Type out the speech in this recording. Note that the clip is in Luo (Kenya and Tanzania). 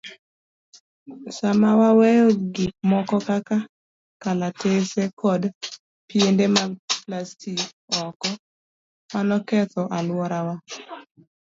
Sama waweyo gik moko kaka kalatese kod piende mag plastik oko, mano ketho alworawa.